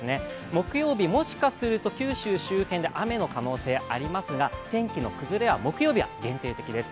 木曜日、もしかすると九州周辺で雨の可能性ありますが、天気の崩れは木曜日が限定的です。